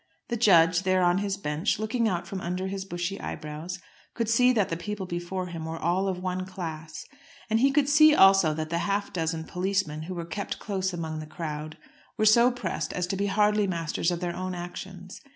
The judge, there on his bench, looking out from under his bushy eyebrows, could see that the people before him were all of one class. And he could see also that the half dozen policemen who were kept close among the crowd, were so pressed as to be hardly masters of their own actions.